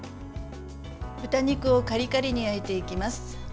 豚肉をカリカリに焼いていきます。